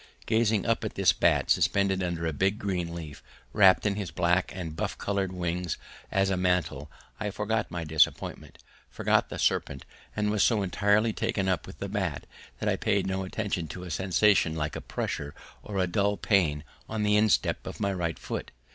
Gazing up at this bat suspended under a big green leaf, wrapped in his black and buff coloured wings as in a mantle, I forgot my disappointment, forgot the serpent, and was so entirely taken up with the bat that I paid no attention to a sensation like a pressure or a dull pain on the instep of my right foot.